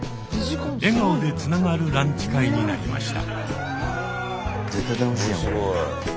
笑顔でつながるランチ会になりました。